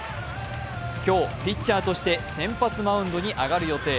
今日、ピッチャーとして先発マウンドに上がる予定。